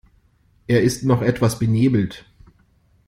Er ist noch etwas benebelt.